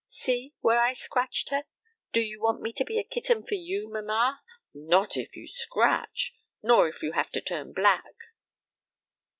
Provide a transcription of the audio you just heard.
See where I scratched her. Do you want me to be a kitten for you, mamma?" "Not if you scratch, nor if you have to turn black."